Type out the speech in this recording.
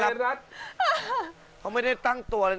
เขาไม่ได้ตั้งตัวเลยนี่ไม่ได้ตั้งตัวเลย